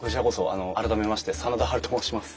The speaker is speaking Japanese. あの改めまして真田ハルと申します。